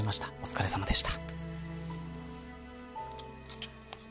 お疲れさまでした。